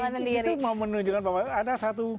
anies itu mau menunjukkan bahwa ada satu